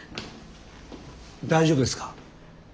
大丈夫ですか？